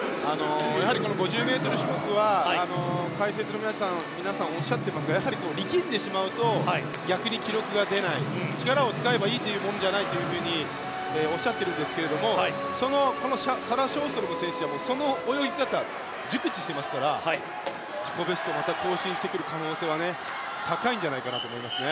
この５０ｍ種目は解説の皆さんおっしゃってますが力んでしまうと逆に記録が出ない力を使えばいいというものじゃないとおっしゃっているんですがこのサラ・ショーストロム選手はその泳ぎ方熟知していますから自己ベストをまた更新してくる可能性は高いんじゃないかなと思います。